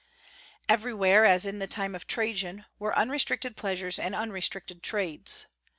Everywhere, as in the time of Trajan, were unrestricted pleasures and unrestricted trades.